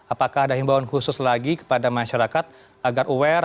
apakah ada himbauan khusus lagi kepada masyarakat agar aware